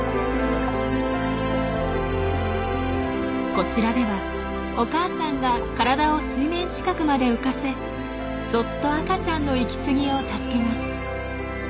こちらではお母さんが体を水面近くまで浮かせそっと赤ちゃんの息継ぎを助けます。